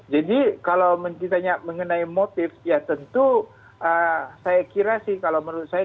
jadi kalau kita tanya mengenai motif ya tentu saya kira sih kalau menurut saya